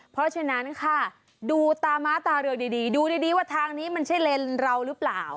เพราะฉะนั้นค่ะดูตาม้าตาเรืองดีดูดีว่าทางนี้มันใช่เลนเราหรือเปล่า